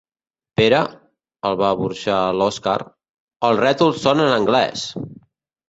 Pere? —el va burxar l'Oskar— Els rètols són en anglès!